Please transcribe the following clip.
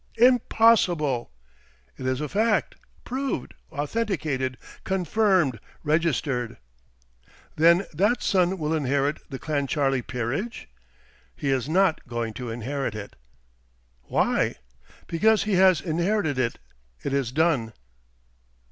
"Impossible!" "It is a fact proved, authenticated, confirmed, registered." "Then that son will inherit the Clancharlie peerage?" "He is not going to inherit it." "Why?" "Because he has inherited it. It is done."